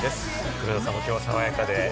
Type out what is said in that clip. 黒田さんも、きょうも爽やかで。